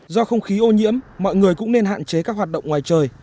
do không khí ô nhiễm mọi người cũng nên hạn chế các hoạt động ngoài trời